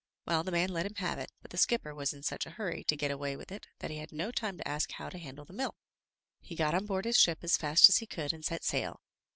Well, the man let him have it, but the skipper was in such a hurry to get away with it that he had no time to ask how to handle the mill. He got on board his ship as fast as he could and set sail.